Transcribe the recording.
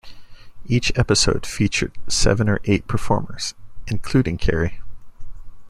Each episode featured seven or eight performers, including Carey.